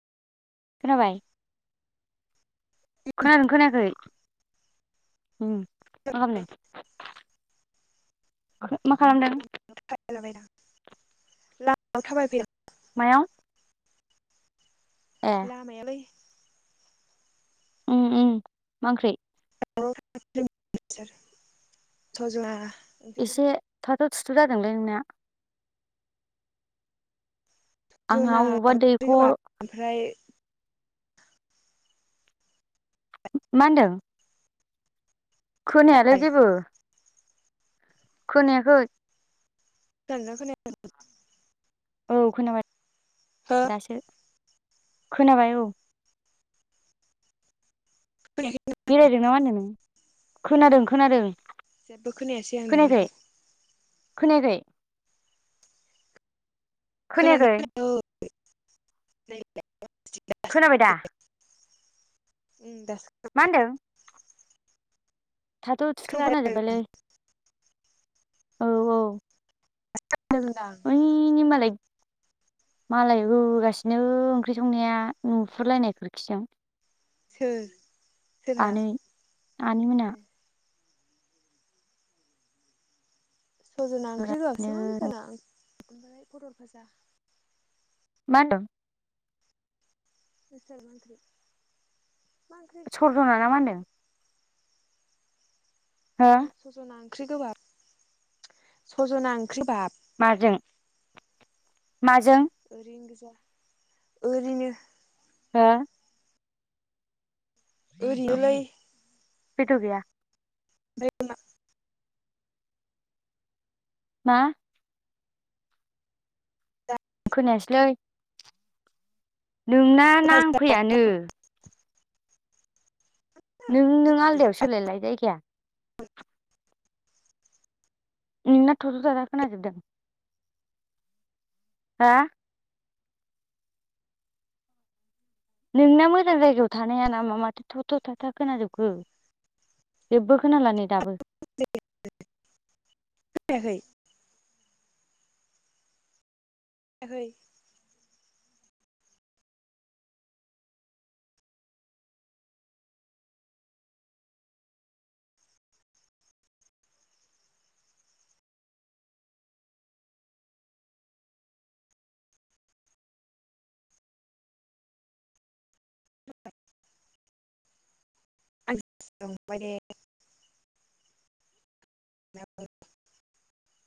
खोनाबाय, खोनादोंना खोनायाखै? उम मा खालामदों खो मा खालामदों? [inaudible] लामायाव थाबायफैदों। मायाव? ए लामायावलै। उम उम मा ओंख्रै? [unintelligible] स' जोङा एसे थाथ' थुथ' जादोंलै नोंना आंहा अबावबा [unintelligible] दैखर ओमफ्राय मा होनदों? खोनायालै जेबो खोनायाखै खोनादोंना खोनायाखै? औ खोनाबाय हो दासो खोनाबाय औ। खोनायाखै? बेरायदों ना मा होन्दों नों? खोनादों खोनादों। जेब्बो खोनायासै आं खोनायाखै नोंनिखौ। खोनायाखै? खोनायाखै खोनादोंना खोनायाखै? औ खोनाबाय दा? उम दासो मा होनदों? थाथ' थुथ' खोनादों खोनाजोब्बायलै औ औ ओइनि [unintelligible] मालाय मालाय होगासिनो ओंख्रि संनाया नुफुरलायनाय खोरखिजों सोर सोरहा आनैै आनै मोना ए सजना ओंख्रि होआसैमोन बेबादिनो जोंना ओमफ्राय फथल फाजा। मा होनदों? [unintelligible] सरजना ना मा होनदों? हो उम सजना ओंख्रि गोबाब सजना ओंख्रिबाब माजों माजों ओरैनो गोजा ओरैनो हा ओरिनोलै [unintelligible] गैया मा खनायासै लै नोंना मा नांफैयानो नों नों आलदायाव सोलायलाय जायगाया- नोंना थथ थाथा खोनाजोबदों हा नोंना मोजां जायगायाव थानाया नामा माथो थ थ' थाथा खोनाजोबखो- जेबो खोनाला नै दाबो [unintelligible] [unintelligible] [unintelligible] [unintelligible] बे